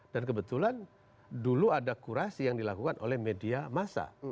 kebetulan dulu ada kurasi yang dilakukan oleh media masa